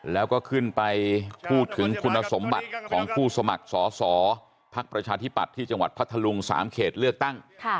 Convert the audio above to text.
แล้วก็ขึ้นไปพูดถึงคุณสมบัติของผู้สมัครสอสอภักดิ์ประชาธิปัตย์ที่จังหวัดพัทธลุง๓เขตเลือกตั้ง